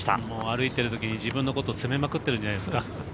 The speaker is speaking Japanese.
歩いてる時に自分のこと責めまくってるんじゃないですか。